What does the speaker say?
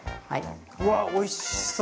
うわおいしそう！